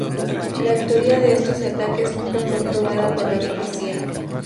La autoría de estos ataques nunca fue probada por la policía.